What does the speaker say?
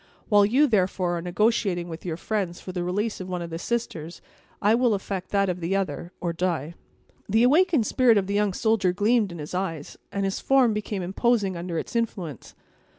While you, therefore, are negotiating with your friends for the release of one of the sisters, I will effect that of the other, or die." The awakened spirit of the young soldier gleamed in his eyes, and his form became imposing under its influence.